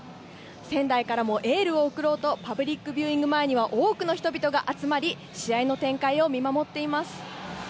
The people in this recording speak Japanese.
仙台からもエールを送ろうとパブリックビューイング前には多くの人々が集まり試合の展開を見守っています。